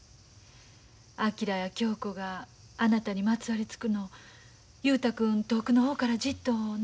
昭や恭子があなたにまつわりつくのを雄太君遠くの方からじっと眺めてたでしょう。